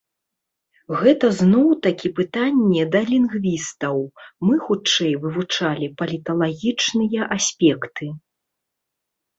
Гэта зноў-такі пытанне да лінгвістаў, мы, хутчэй, вывучалі паліталагічныя аспекты.